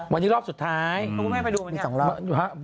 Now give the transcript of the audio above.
วันนี้รอบสุดท้ายไหมครับคุณแม่ไปดูมันอย่างนี้ครับ